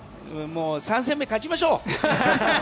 もう３戦目、勝ちましょう！